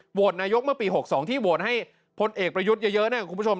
โหวตนายกเมื่อปี๖๒ที่โหวตให้พลเอกประยุทธ์เยอะนะคุณผู้ชม